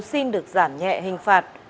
xin được giảm nhẹ hình phạt